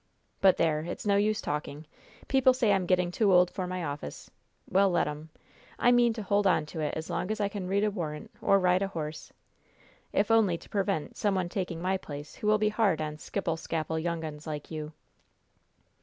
But there! It's no use talking. People say I'm getting too old for my office. Well, let 'em. I mean to hold on to it as long as I can read a warrant or ride a horse. If only to pervent some one taking my place who will be hard on skipple skapple young uns like you."